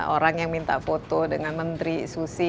orang yang minta foto dengan menteri susi